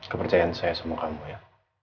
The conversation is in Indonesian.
kepercayaan saya sama kamu ya